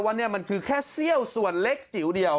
ว่านี่มันคือแค่เสี้ยวส่วนเล็กจิ๋วเดียว